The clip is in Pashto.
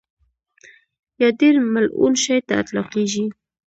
یا ډېر ملعون شي ته اطلاقېږي.